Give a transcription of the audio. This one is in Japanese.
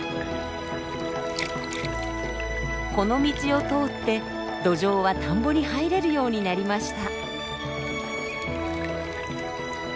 この道を通ってドジョウは田んぼに入れるようになりました。